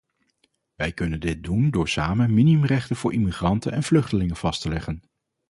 Wij kunnen dit doen door samen minimumrechten voor immigranten en vluchtelingen vast te leggen.